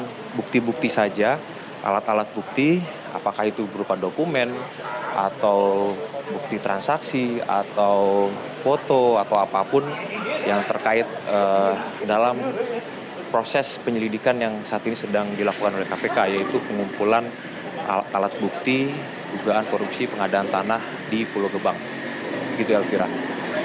jadi ini adalah bukti bukti saja alat alat bukti apakah itu berupa dokumen atau bukti transaksi atau foto atau apapun yang terkait dalam proses penyelidikan yang saat ini sedang dilakukan oleh kpk yaitu pengumpulan alat alat bukti jugaan korupsi pengadaan tanah di pulau gebang begitu yang saya kira